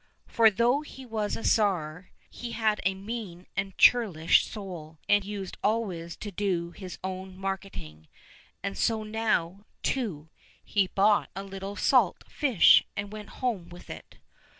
For though he was a Tsar, he had a mean and churlish soul, and used always to do his own marketing, and so now, too, he bought a little salt fish and went home with it.